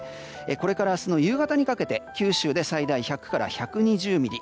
これから明日の夕方にかけて九州で最大１００から１２０ミリ。